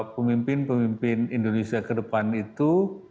pemimpin pemimpin indonesia ke depan itu